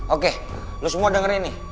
oke lu semua dengerin nih